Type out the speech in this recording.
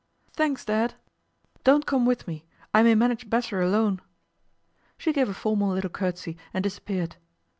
'Thanks, Dad. Don't come with me; I may manage better alone.' She gave a formal little curtsey and disappeared.